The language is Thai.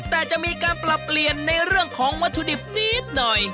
แต่จะมีการปรับเปลี่ยนในเรื่องของวัตถุดิบนิดหน่อย